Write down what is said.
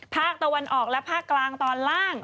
ภาคตะวันออกและภาคกลางตอนล่าง